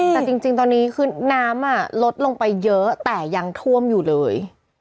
แต่จริงตอนนี้คือน้ำลดลงไปเยอะแต่ยังท่วมอยู่เลย